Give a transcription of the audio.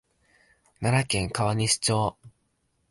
奈良県川西町